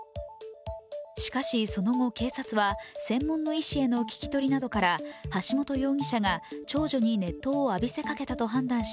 しかしその後、警察は専門の医師への聞き取りなどから橋本容疑者が長女に熱湯を浴びせかけたと判断し、